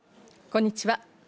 こんにちは。